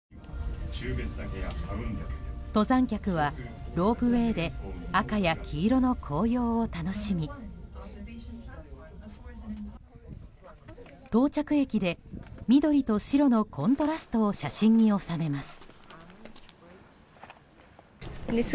登山客はロープウェーで赤や黄色の紅葉を楽しみ到着駅で緑と白のコントラストを写真に収めます。